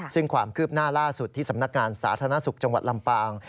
ซึ่งความคืบหน้าล่าสุดที่สำนักงานสาธารณสุขจังหวัดลำปาง